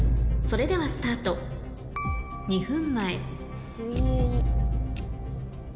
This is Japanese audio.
それではスタート２分前水泳。